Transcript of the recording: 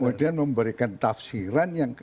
kemudian memberikan tafsiran yang berbeda dengan asing